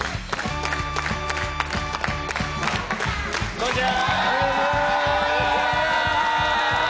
こんにちは！